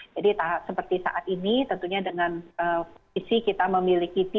jadi seperti saat ini tentunya dengan provinsi kita memiliki